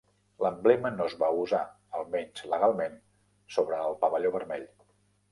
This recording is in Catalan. L'emblema no es va usar, almenys legalment, sobre el pavelló vermell.